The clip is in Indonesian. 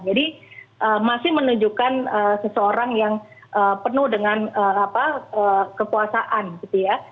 jadi masih menunjukkan seseorang yang penuh dengan kekuasaan gitu ya